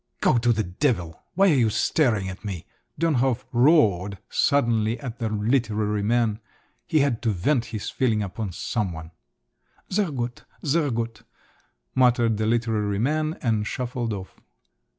"Go to the devil! Why are you staring at me?" Dönhof roared suddenly at the literary man. He had to vent his feelings upon some one! "Sehr gut! sehr gut!" muttered the literary man, and shuffled off.